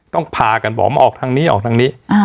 พากันบอกมาออกทางนี้ออกทางนี้